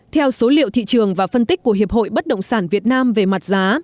theo số liệu thị trường và phân tích của hiệp hội bất động sản việt nam về mặt giá